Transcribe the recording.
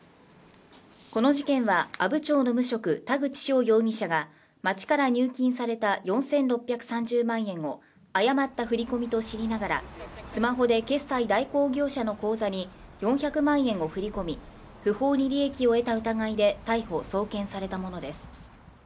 この事件は阿武町の無職田口翔容疑者が町から入金された４６３０万円を誤った振込みと知りながらスマホで決済代行業者の口座に４００万円を振り込み不法に利益を得た疑いで逮捕送検されたものです